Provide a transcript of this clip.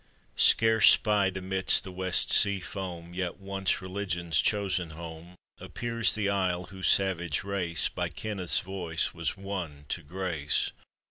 } Scarce spied amidst the west sea foam, Yet once religion's chosen home, Appears the isle whose savage race By Kenneth's voice was won to grace.